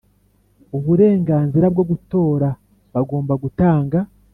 uburenganzira bwo gutora Bagomba gutanga